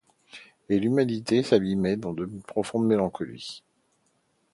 Et l'humanité s'abîmait dans une profonde mélancolie.